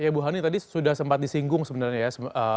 ya bu hani tadi sudah sempat disinggung sebenarnya ya